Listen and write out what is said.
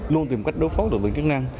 luôn tìm cách đối phóng được với kỹ năng